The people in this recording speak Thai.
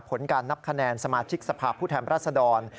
ผลการนับคะแนนสมาชิกสภาพผู้แทนรัศดร